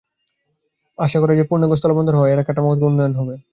আশা করা যায়, পূর্ণাঙ্গ স্থলবন্দর হওয়ার পর এর অবকাঠামোগত উন্নয়ন হবে।